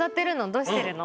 どうしてるの？